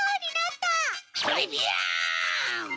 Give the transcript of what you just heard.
トレビアン！